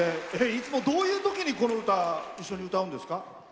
いつもどういうときに、この歌一緒に歌うんですか？